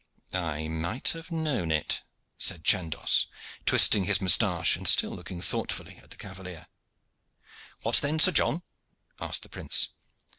"I might have known it," said Chandos, twisting his moustache, and still looking thoughtfully at the cavalier. "What then, Sir John?" asked the prince.